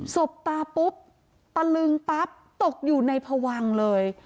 บตาปุ๊บตะลึงปั๊บตกอยู่ในพวังเลย